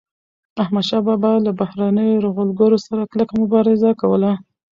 احمدشاه بابا به له بهرنيو یرغلګرو سره کلکه مبارزه کوله.